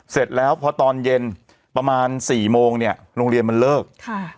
เสร็จแล้วพอตอนเย็นประมาณสี่โมงเนี่ยโรงเรียนมันเลิกค่ะ